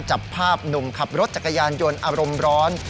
จับภาพหนุ่มขับรถจักรยานยนต์อารมณ์ร้อน